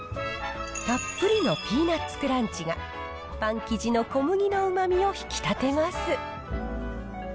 たっぷりのピーナッツクランチがパン生地の小麦のうまみを引き立てます。